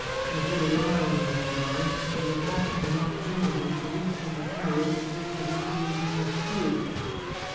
He had his eye on the gendarmes, and was watching his op portunity to leap from the carriage and take to his heels across the fields.